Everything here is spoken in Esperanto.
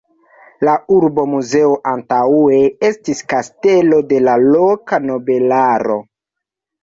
La urba muzeo antaŭe estis kastelo de la loka nobelaro.